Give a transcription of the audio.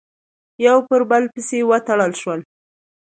یو پر بل پسې وتړل شول،